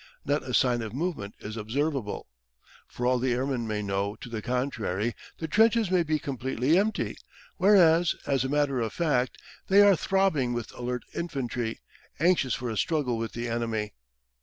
Not a sign of movement is observable. For all the airman may know to the contrary, the trenches may be completely empty, whereas, as a matter of fact, they are throbbing with alert infantry, anxious for a struggle with the enemy.